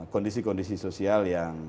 kondisi kondisi sosial yang